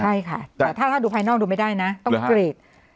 ใช่ค่ะแต่ถ้าดูภายนอกดูไม่ได้นะต้องกรีด